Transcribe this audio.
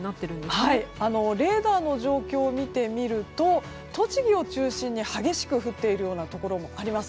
レーダーの状況を見てみると栃木を中心に激しく降っているところがあります。